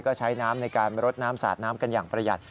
ก็ใช้น้ำในการรดน้ำสาดน้ำกันอย่างประหยัด